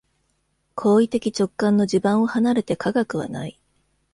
行為的直観の地盤を離れて科学はない。